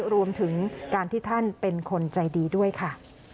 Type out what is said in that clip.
รวมถึงการที่ท่านเป็นคนใจดีด้วยค่ะ